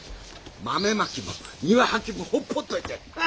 豆まきも庭掃きもほっぽっといて。